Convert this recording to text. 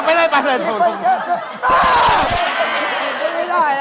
ไม่ได้ล่ะ